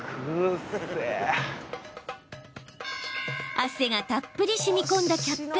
汗がたっぷりしみこんだキャップ。